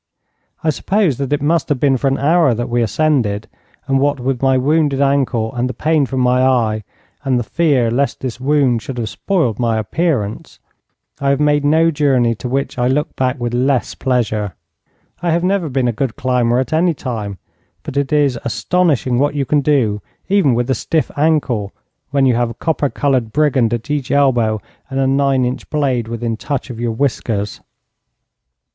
I suppose that it must have been for an hour that we ascended, and what with my wounded ankle and the pain from my eye, and the fear lest this wound should have spoiled my appearance, I have made no journey to which I look back with less pleasure. I have never been a good climber at any time, but it is astonishing what you can do, even with a stiff ankle, when you have a copper coloured brigand at each elbow and a nine inch blade within touch of your whiskers.